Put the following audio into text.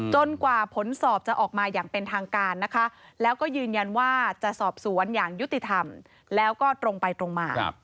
กว่าผลสอบจะออกมาอย่างเป็นทางการนะคะแล้วก็ยืนยันว่าจะสอบสวนอย่างยุติธรรมแล้วก็ตรงไปตรงมา